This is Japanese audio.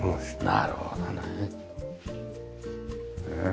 なるほどね。